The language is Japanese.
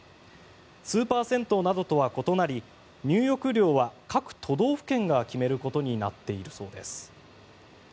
スーパー銭湯などとは異なり入浴料は各都道府県が決めることになっているそうです。